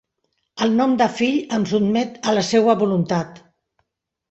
El nom de fill em sotmet a la seua voluntat;